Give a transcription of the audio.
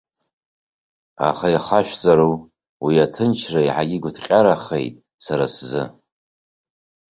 Аха, ихашәҵару, уи аҭынчра иаҳагьы игәыҭҟьарахеит сара сзы.